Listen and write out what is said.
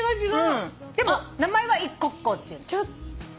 でも名前は「いっこっこう」っていうの。